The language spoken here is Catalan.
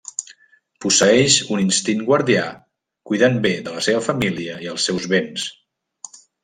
Posseeix un instint guardià cuidant bé de la seva família i els seus béns.